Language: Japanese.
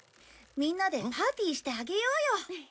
みんなでパーティーしてあげようよ。